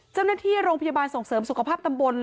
เจ้าหน้าที่โรงพยาบาลส่งเสริมสุขภาพตำบล